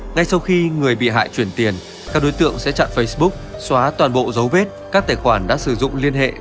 ngay sau khi người bị hại chuyển tiền các đối tượng sẽ chặn facebook xóa toàn bộ dấu vết các tài khoản đã sử dụng liên hệ